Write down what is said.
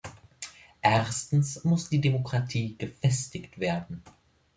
Erstens muss die Demokratie gefestigt werden.